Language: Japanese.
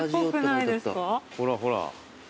ほらほら。